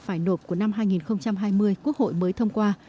phải nộp của năm hai nghìn hai mươi quốc hội mới thông qua